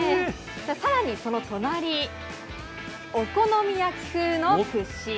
さらにそのお隣お好み焼き風の串。